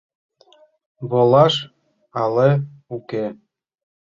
Волаш але уке?..